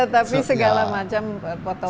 tapi segala macam botol pemasaknya